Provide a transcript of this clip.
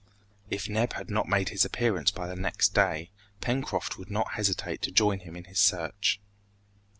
If Neb had not made his appearance by the next day, Pencroft would not hesitate to join him in his search.